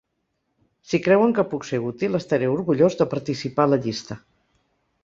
Si creuen que puc ser útil estaré orgullós de participar a la llista.